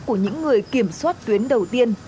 của những người kiểm soát tuyến đầu tiên